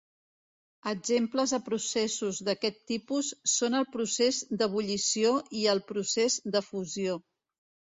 Exemples de processos d'aquest tipus són el procés d'ebullició i el procés de fusió.